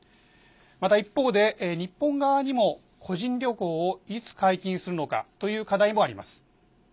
また一方で日本側にも個人旅行をいつ解禁するのかという課題もあります。